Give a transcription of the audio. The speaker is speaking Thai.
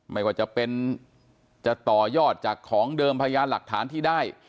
ไม่ว่าจะเป็นจะต่อยอดจากของเดิมพยานหลักฐานที่ได้